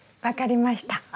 分かりました。